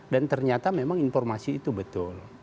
ternyata memang informasi itu betul